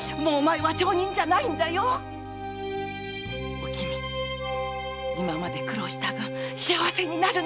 おきみ今まで苦労した分幸せになるんだ！